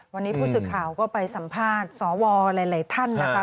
วันนี้ผู้สื่อข่าวก็ไปสัมภาษณ์สวหลายท่านนะคะ